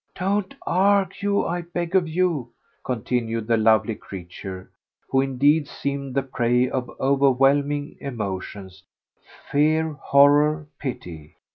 "Don't argue, I beg of you," continued the lovely creature, who indeed seemed the prey of overwhelming emotions—fear, horror, pity.